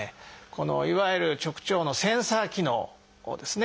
いわゆる直腸のセンサー機能ですね